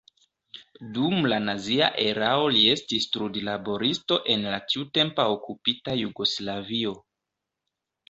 Dum la nazia erao li estis trudlaboristo en la tiutempa okupita Jugoslavio.